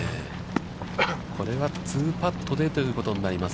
これは２パットでというところになります。